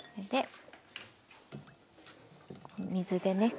水でね